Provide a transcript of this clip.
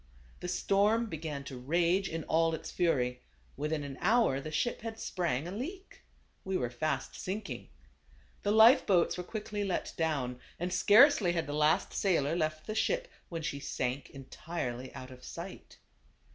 The storm began to rage in all its fury ; within an hour the ship had sprang aleak; we were fast sinking. The life boats were quickly let down, and scarcely had the last sailor left the ship when she sank entirely out of sight.